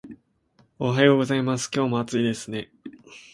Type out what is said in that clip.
おはようございます。今日も暑いですね